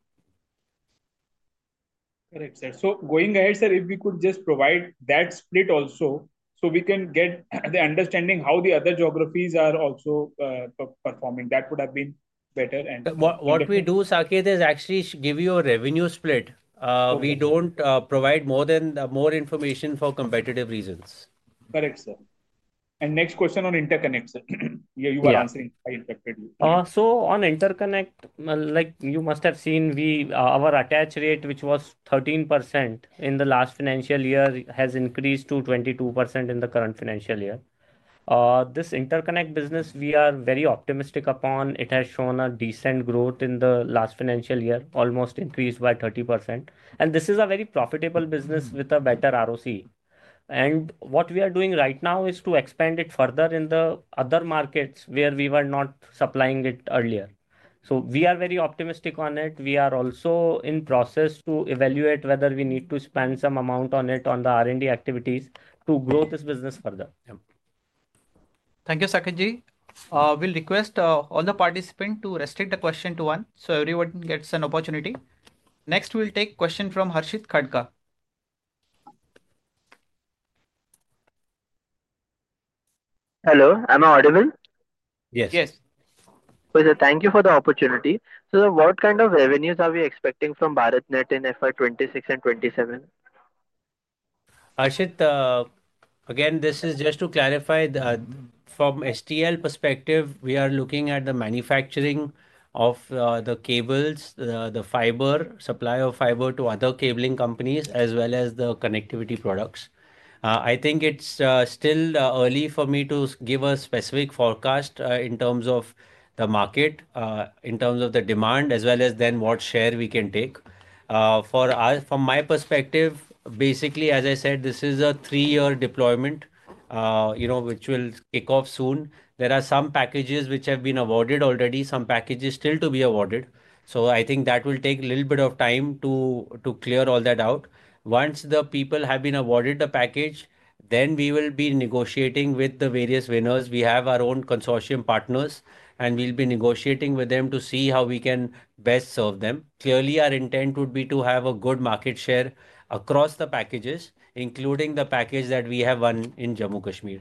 Correct, sir. Going ahead, sir, if we could just provide that split also, so we can get the understanding how the other geographies are also performing, that would have been better. What we do, Sakit, is actually give you a revenue split. We do not provide more information for competitive reasons. Correct, sir. Next question on Interconnect, sir. Yeah, you were answering. On Interconnect, like you must have seen, our attach rate, which was 13% in the last financial year, has increased to 22% in the current financial year. This Interconnect business, we are very optimistic upon. It has shown a decent growth in the last financial year, almost increased by 30%. This is a very profitable business with a better ROC. What we are doing right now is to expand it further in the other markets where we were not supplying it earlier. We are very optimistic on it. We are also in the process to evaluate whether we need to spend some amount on it on the R&D activities to grow this business further. Thank you, Sakit Ji. We'll request all the participants to restrict the question to one, so everyone gets an opportunity. Next, we'll take a question from Harshit Khadka. Hello, am I audible? Yes. Yes. Thank you for the opportunity. What kind of revenues are we expecting from BharatNet in FY 2026 and 2027? Harshit, again, this is just to clarify from STL perspective, we are looking at the manufacturing of the cables, the fiber supply of fiber to other cabling companies, as well as the connectivity products. I think it's still early for me to give a specific forecast in terms of the market, in terms of the demand, as well as then what share we can take. From my perspective, basically, as I said, this is a three-year deployment, you know, which will kick off soon. There are some packages which have been awarded already, some packages still to be awarded. I think that will take a little bit of time to clear all that out. Once the people have been awarded the package, then we will be negotiating with the various winners. We have our own consortium partners, and we'll be negotiating with them to see how we can best serve them. Clearly, our intent would be to have a good market share across the packages, including the package that we have won in Jammu Kashmir.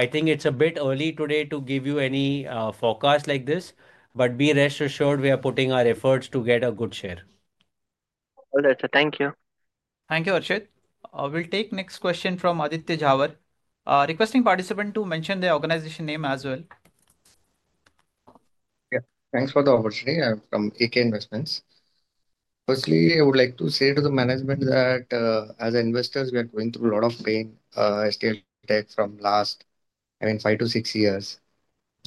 I think it's a bit early today to give you any forecast like this, but be rest assured we are putting our efforts to get a good share. All right, sir, thank you. Thank you, Harshit. We'll take the next question from Aditya Jhawar, requesting participants to mention their organization name as well. Thanks for the opportunity. I'm from AK Investments. Firstly, I would like to say to the management that as investors, we are going through a lot of pain, STL tech from last, I mean, five to six years.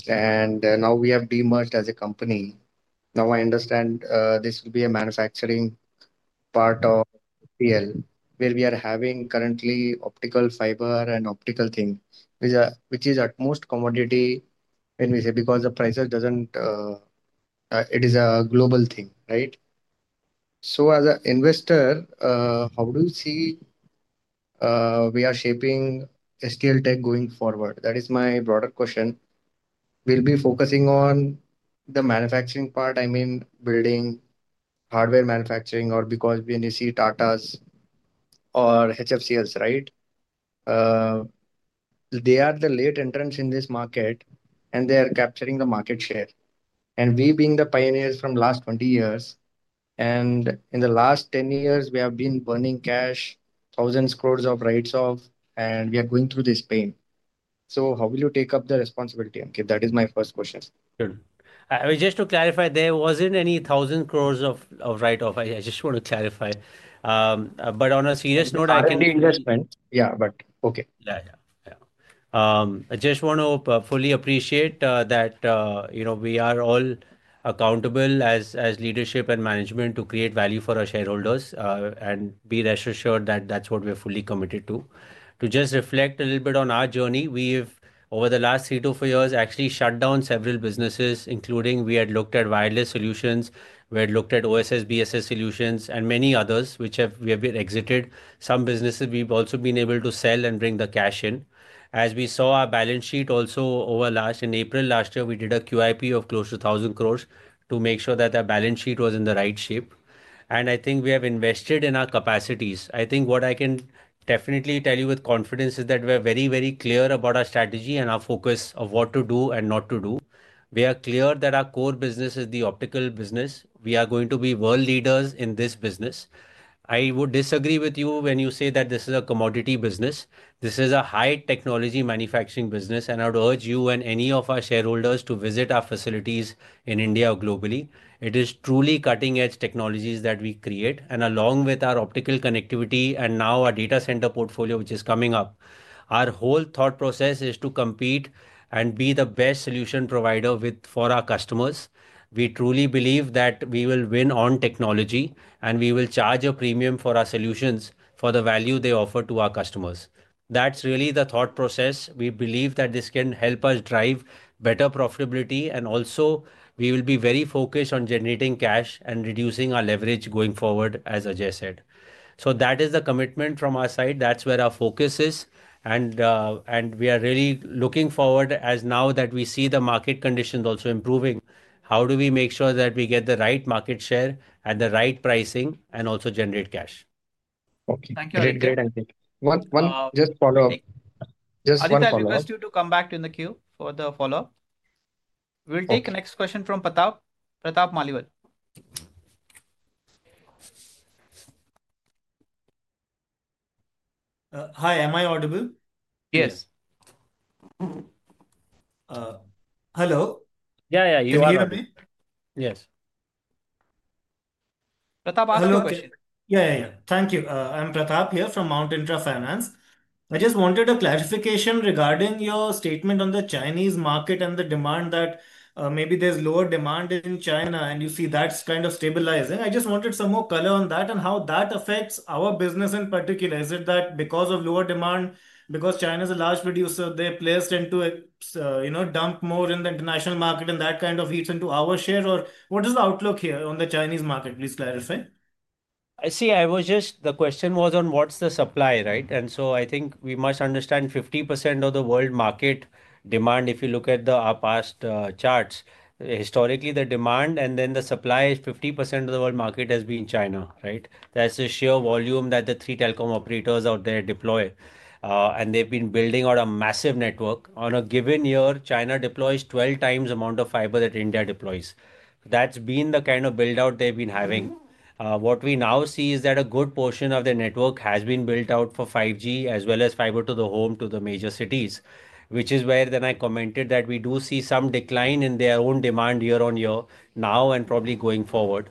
Now we have demerged as a company. Now I understand this will be a manufacturing part of STL, where we are having currently optical fiber and optical thing, which is at most commodity when we say because the price does not, it is a global thing, right? As an investor, how do you see we are shaping STL tech going forward? That is my broader question. We will be focusing on the manufacturing part, I mean, building hardware manufacturing, or because when you see Tata's or HFCLs, right? They are the late entrants in this market, and they are capturing the market share. We being the pioneers from the last 20 years, and in the last 10 years, we have been burning cash, thousands of crores of write-offs, and we are going through this pain. How will you take up the responsibility? That is my first question. Just to clarify, there was not any thousands of crores of write-offs. I just want to clarify. On a serious note, I can... Yeah, okay. Yeah, yeah, yeah. I just want to fully appreciate that, you know, we are all accountable as leadership and management to create value for our shareholders and be rest assured that is what we are fully committed to. To just reflect a little bit on our journey, we've, over the last three to four years, actually shut down several businesses, including we had looked at wireless solutions, we had looked at OSS, BSS solutions, and many others, which we have exited. Some businesses we've also been able to sell and bring the cash in. As we saw our balance sheet also over last, in April last year, we did a QIP of close to 1,000 crore to make sure that our balance sheet was in the right shape. I think we have invested in our capacities. I think what I can definitely tell you with confidence is that we are very, very clear about our strategy and our focus of what to do and not to do. We are clear that our core business is the optical business. We are going to be world leaders in this business. I would disagree with you when you say that this is a commodity business. This is a high-technology manufacturing business, and I would urge you and any of our shareholders to visit our facilities in India or globally. It is truly cutting-edge technologies that we create, and along with our optical connectivity and now our data center portfolio, which is coming up, our whole thought process is to compete and be the best solution provider for our customers. We truly believe that we will win on technology, and we will charge a premium for our solutions for the value they offer to our customers. That's really the thought process. We believe that this can help us drive better profitability, and also we will be very focused on generating cash and reducing our leverage going forward, as Ajay said. That is the commitment from our side. That is where our focus is, and we are really looking forward as now that we see the market conditions also improving. How do we make sure that we get the right market share at the right pricing and also generate cash? Okay, thank you. Great, great, Ankit. One, just follow up. Just one follow up. I will request you to come back in the queue for the follow up. We will take the next question from Pratap Maliwal. Hi, am I audible? Yes. Hello. Yeah, you hear me? Yes. Pratap, ask the question. Yeah, thank you. I am Pratap here from Mount Intra Finance. I just wanted a clarification regarding your statement on the Chinese market and the demand that maybe there is lower demand in China, and you see that is kind of stabilizing. I just wanted some more color on that and how that affects our business in particular. Is it that because of lower demand, because China is a large producer, they are placed into, you know, dump more in the international market, and that kind of eats into our share, or what is the outlook here on the Chinese market? Please clarify. I see, I was just, the question was on what is the supply, right? I think we must understand 50% of the world market demand. If you look at our past charts, historically, the demand and then the supply is 50% of the world market has been China, right? That is the sheer volume that the three telecom operators out there deploy, and they have been building out a massive network. On a given year, China deploys 12 times the amount of fiber that India deploys. That's been the kind of build-out they've been having. What we now see is that a good portion of the network has been built out for 5G, as well as fiber to the home, to the major cities, which is where then I commented that we do see some decline in their own demand year on year now and probably going forward.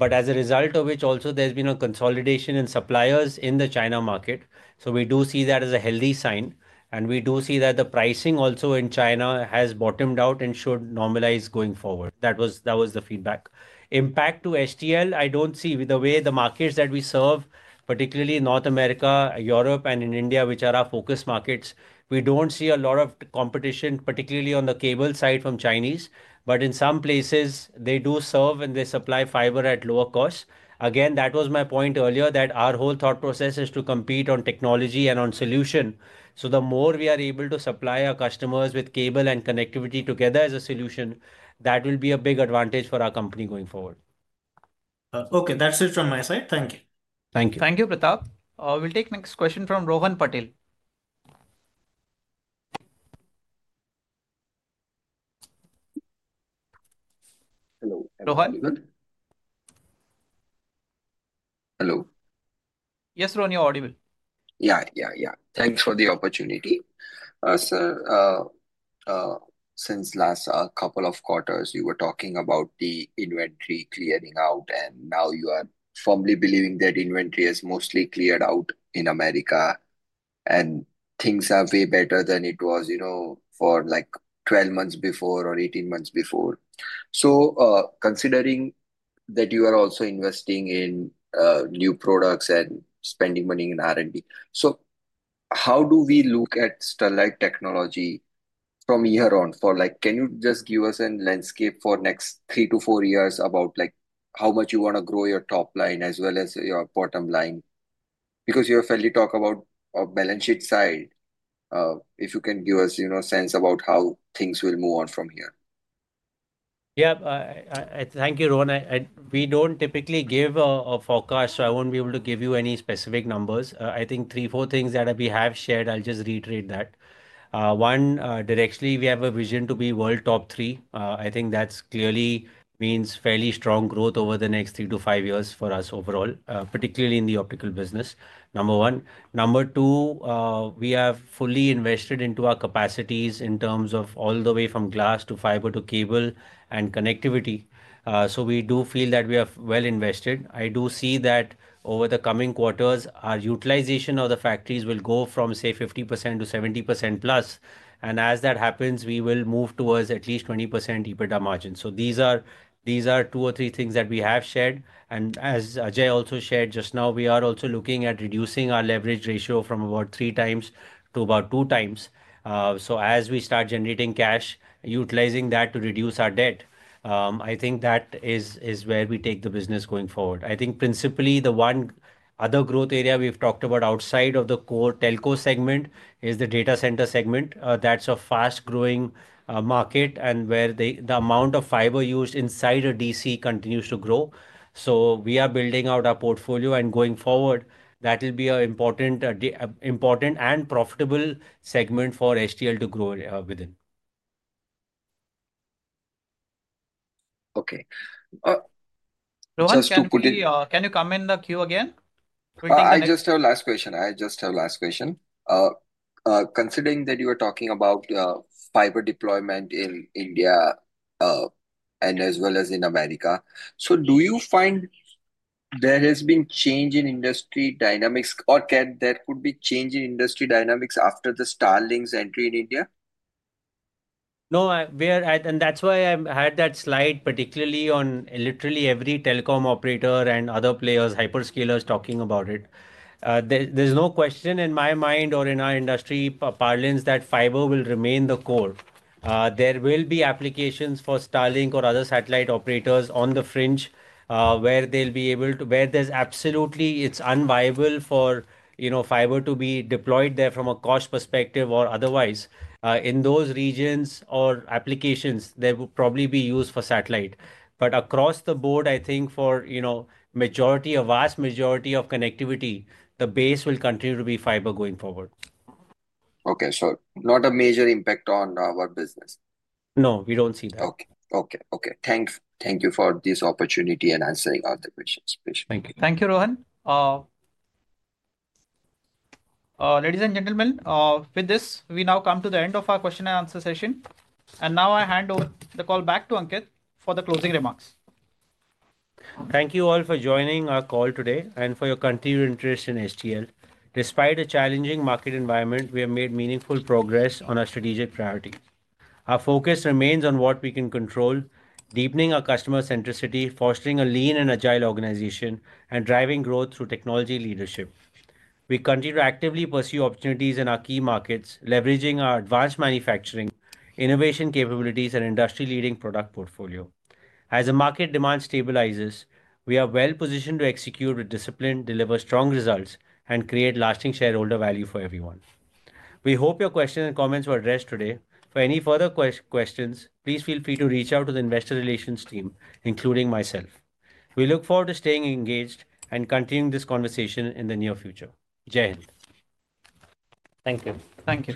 As a result of which, also there's been a consolidation in suppliers in the China market. We do see that as a healthy sign, and we do see that the pricing also in China has bottomed out and should normalize going forward. That was the feedback. Impact to STL, I don't see the way the markets that we serve, particularly North America, Europe, and in India, which are our focus markets, we don't see a lot of competition, particularly on the cable side from Chinese. But in some places, they do serve and they supply fiber at lower cost. Again, that was my point earlier that our whole thought process is to compete on technology and on solution. The more we are able to supply our customers with cable and connectivity together as a solution, that will be a big advantage for our company going forward. Okay, that's it from my side. Thank you. Thank you. Thank you, Pratap. We'll take the next question from Rohan Patil. Hello. Yes, Ron, you're audible. Yeah, yeah, yeah. Thanks for the opportunity. Sir, since last couple of quarters, you were talking about the inventory clearing out, and now you are firmly believing that inventory is mostly cleared out in America, and things are way better than it was, you know, for like 12 months before or 18 months before. Considering that you are also investing in new products and spending money in R&D, how do we look at Sterlite Technologies from here on? Can you just give us a landscape for the next three to four years about how much you want to grow your top line as well as your bottom line? Because you have fairly talked about the balance sheet side. If you can give us, you know, a sense about how things will move on from here. Yeah, thank you, Ron. We do not typically give a forecast, so I will not be able to give you any specific numbers. I think three, four things that we have shared, I will just reiterate that. One, directly, we have a vision to be world top three. I think that clearly means fairly strong growth over the next three to five years for us overall, particularly in the optical business. Number one. Number two, we have fully invested into our capacities in terms of all the way from glass to fiber to cable and connectivity. We do feel that we have well invested. I do see that over the coming quarters, our utilization of the factories will go from, say, 50% to +70%. As that happens, we will move towards at least 20% EBITDA margin. These are two or three things that we have shared. As Ajay also shared just now, we are also looking at reducing our leverage ratio from about three times to about two times. As we start generating cash, utilizing that to reduce our debt, I think that is where we take the business going forward. I think principally, the one other growth area we've talked about outside of the core telco segment is the data center segment. That's a fast-growing market and where the amount of fiber used inside a DC continues to grow. We are building out our portfolio, and going forward, that will be an important and profitable segment for STL to grow within. Okay. Just to put it. Can you come in the queue again? I just have a last question. Considering that you were talking about fiber deployment in India and as well as in America, do you find there has been change in industry dynamics, or can there could be change in industry dynamics after the Starlink's entry in India? No, we're at, and that's why I had that slide, particularly on literally every telecom operator and other players, hyperscalers talking about it. There's no question in my mind or in our industry parlance that fiber will remain the core. There will be applications for Starlink or other satellite operators on the fringe where they'll be able to, where there's absolutely, it's unviable for, you know, fiber to be deployed there from a cost perspective or otherwise. In those regions or applications, there will probably be use for satellite. Across the board, I think for, you know, majority, a vast majority of connectivity, the base will continue to be fiber going forward. Okay, not a major impact on our business. No, we don't see that. Okay, okay, okay. Thank you for this opportunity and answering all the questions. Thank you. Thank you, Rohan. Ladies and gentlemen, with this, we now come to the end of our question and answer session. I hand over the call back to Ankit for the closing remarks. Thank you all for joining our call today and for your continued interest in STL. Despite a challenging market environment, we have made meaningful progress on our strategic priorities. Our focus remains on what we can control, deepening our customer centricity, fostering a lean and agile organization, and driving growth through technology leadership. We continue to actively pursue opportunities in our key markets, leveraging our advanced manufacturing, innovation capabilities, and industry-leading product portfolio. As the market demand stabilizes, we are well-positioned to execute with discipline, deliver strong results, and create lasting shareholder value for everyone. We hope your questions and comments were addressed today. For any further questions, please feel free to reach out to the investor relations team, including myself. We look forward to staying engaged and continuing this conversation in the near future. Thank you. Thank you.